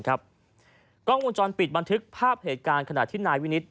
กล้องวงจรปิดบันทึกภาพเหตุการณ์ขณะที่นายวินิต